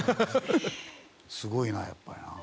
すごいなやっぱりな。